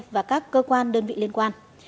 và các cơ quan đơn vị liên quan